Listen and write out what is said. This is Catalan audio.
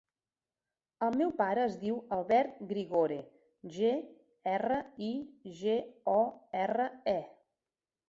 El meu pare es diu Albert Grigore: ge, erra, i, ge, o, erra, e.